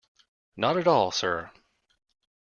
Not at all, sir.